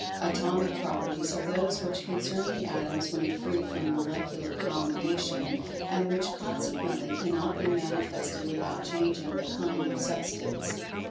Atomic Properties are those which concern the Atoms when free from Molecular combination, and which consequently cannot be manifested without changing the "kind" of Substance.